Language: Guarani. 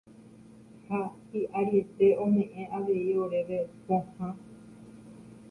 Ha hi'ariete ome'ẽ avei oréve pohã.